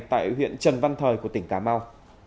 tại huyện trần văn thời của tỉnh cà mau